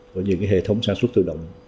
của những hệ thống sản xuất tự động